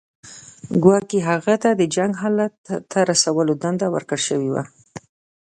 ګواکې هغه ته د جنګ حالت ته رسولو دنده ورکړل شوې وه.